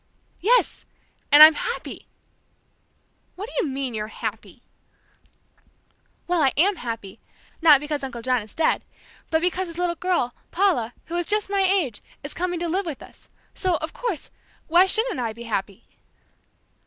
"Yes, and I'm happy!" "What do you mean, you're happy!" "Well, I am happy! not because Uncle John is dead, but because his little girl, Paula, who is just my age, is coming to live with us, so, of course, why shouldn't I be happy?"